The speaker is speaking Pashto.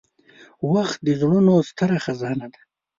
• وخت د زړونو ستره خزانه ده.